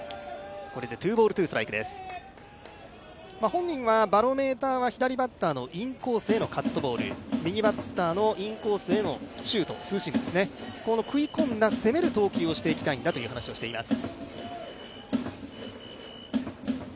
本人はバロメーターは左バッターのインコースへのカットボール、右バッターのインコースへのシュート、ツーシームですね、この食い込んだ攻める投球をしていきたんだという話をしています。